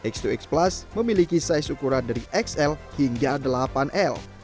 x dua x plus memiliki size ukuran dari xl hingga delapan l